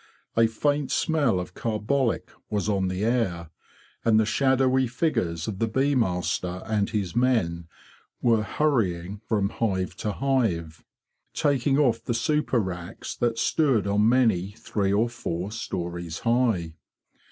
A faint smell of carbolic was on the air, and the shadowy figures of the bee master and his men were hurrying from hive to hive, taking off the super racks that stood on many three and four stories high.